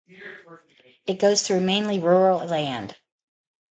It goes through mainly rural land.